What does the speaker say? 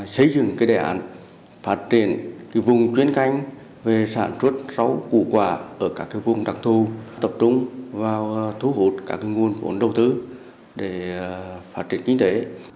xây dựng các đề ảnh phát triển vùng chuyến canh về sản xuất sáu củ quả ở các vùng đặc thù tập trung vào thu hút các nguồn vốn đầu tư để phát triển kinh tế